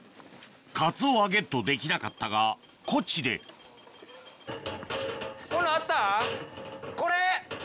カツオはゲットできなかったがコチでこれ！